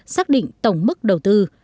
xác định tổng mức đầu tư